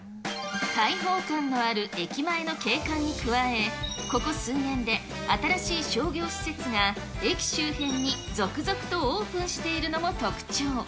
開放感のある駅前の景観に加え、ここ数年で新しい商業施設が駅周辺に続々とオープンしているのも特徴。